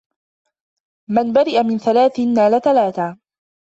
مَنْ بَرِئَ مِنْ ثَلَاثٍ نَالَ ثَلَاثًا